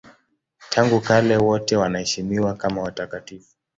Tangu kale wote wanaheshimiwa kama watakatifu.